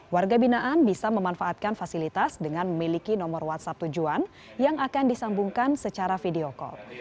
warga binaan bisa memanfaatkan fasilitas dengan memiliki nomor whatsapp tujuan yang akan disambungkan secara video call